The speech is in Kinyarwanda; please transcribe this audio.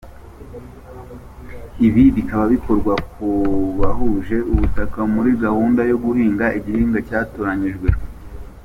Ibi bikaba bikorwa ku bahuje ubutaka muri gahunda yo guhinga igihingwa cyatoranyijwe.